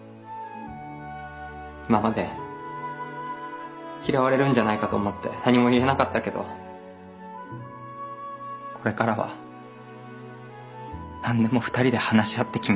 今まで嫌われるんじゃないかと思って何も言えなかったけどこれからは何でも二人で話し合って決めたい。